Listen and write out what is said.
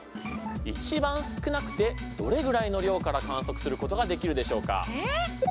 一番少なくてどれぐらいの量から観測することができるでしょうか？